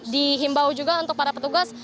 dihimbau juga untuk para petugas